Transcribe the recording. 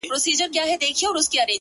دا خواركۍ راپسي مه ږغـوه.